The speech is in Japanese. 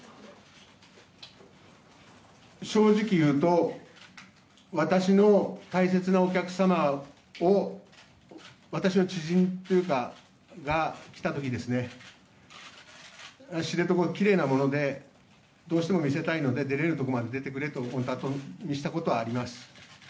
正直言うと私の大切なお客様を私の知人が来た時に知床がきれいなものでどうしても見せたいので出れるところまで出てくれとお願いしたことはあります。